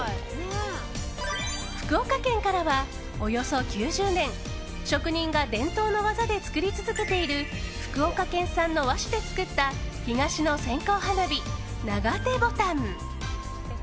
福岡県からは、およそ９０年職人が伝統の技で作り続けている福岡県産の和紙で作った東の線香花火長手牡丹。